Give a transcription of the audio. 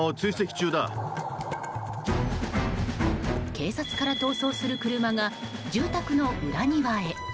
警察から逃走する車が住宅の裏庭へ。